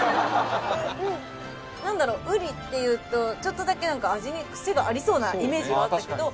なんだろううりっていうとちょっとだけなんか味に癖がありそうなイメージがあったけど。